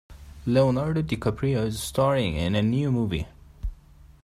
Leonardo DiCaprio is staring in the new movie.